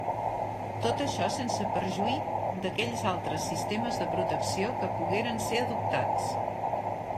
Tot això sense perjuí d'aquells altres sistemes de protecció que pogueren ser adoptats.